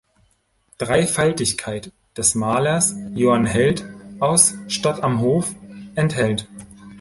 Dreifaltigkeit" des Malers "Johann Held" aus Stadtamhof enthält.